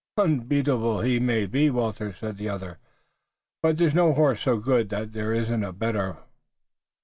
"Unbeatable he may be, Walter," said the other, "but there is no horse so good that there isn't a better.